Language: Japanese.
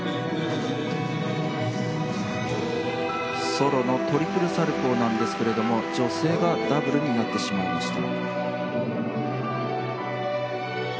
ソロのトリプルサルコウなんですけれども女性がダブルになってしまいました。